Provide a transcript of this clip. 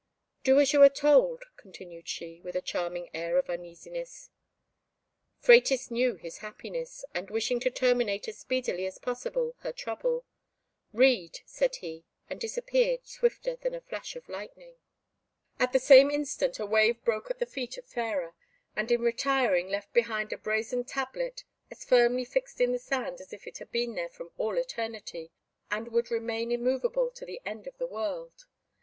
"Do as you are told," continued she, with a charming air of uneasiness. Phratis knew his happiness, and wishing to terminate as speedily as possible her trouble, "Read," said he, and disappeared swifter than a flash of lightning. At the same instant a wave broke at the feet of Fairer, and in retiring left behind a brazen tablet, as firmly fixed in the sand as if it had been there from all eternity, and would remain immovable to the end of the world.